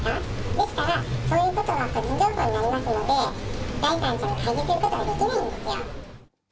でしたら、そういうことは個人情報になりますので、第三者に開示することはできないんですよ。